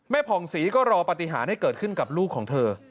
ผ่องศรีก็รอปฏิหารให้เกิดขึ้นกับลูกของเธอ